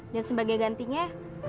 dan sebagai gantinya